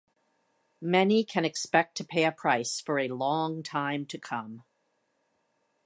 Many can expect to pay a price for a long time to come.